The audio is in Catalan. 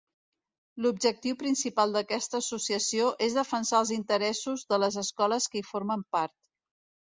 L'objectiu principal d'aquesta associació és defensar els interessos de les escoles que hi formen part.